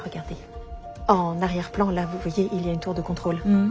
うん。